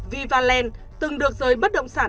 vivaland từng được giới bất động sản